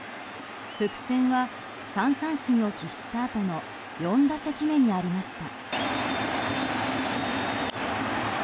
伏線は３三振を喫したあとの４打席目にありました。